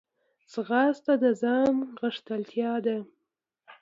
ځغاسته د ځان غښتلتیا ده